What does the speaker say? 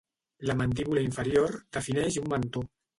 La mandíbula inferior defineix un mentó.